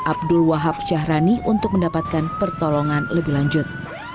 abdul wahab syahrani untuk mendapatkan pertolongan lebih lanjut